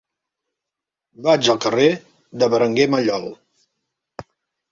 Vaig al carrer de Berenguer Mallol.